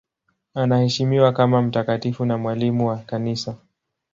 Anaheshimiwa kama mtakatifu na mwalimu wa Kanisa.